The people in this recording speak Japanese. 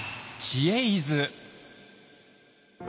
「知恵泉」。